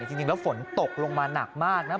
จริงแล้วฝนตกลงมาหนักมากนะ